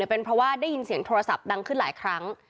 เป็นเพราะว่าได้ยินเสียงโทรศัพท์ดังขึ้นหลายครั้ง